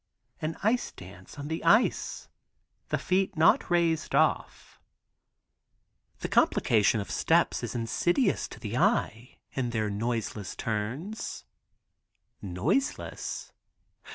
An ice dance on the ice, the feet not raised off. The complication of steps is insidious to the eye in their noiseless turns. Noiseless?